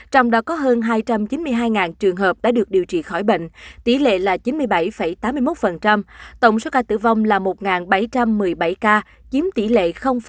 trong đó có hơn hai trăm chín mươi hai trường hợp đã được điều trị khỏi bệnh tỷ lệ là chín mươi bảy tám mươi một tổng số ca tử vong là một bảy trăm một mươi bảy ca chiếm tỷ lệ ba mươi